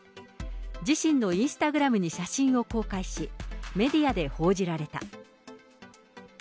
自身のインスタグラムに写真を公開し、メディアで報じられた。